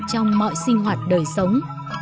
trong mọi sinh hoạt đời sống